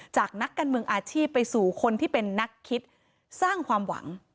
นักการเมืองอาชีพไปสู่คนที่เป็นนักคิดสร้างความหวัง